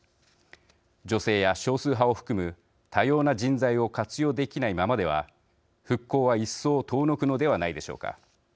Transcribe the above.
女性や少数派を含む多様な人材を活用できないままでは復興は一層遠のくのではないでしょうか。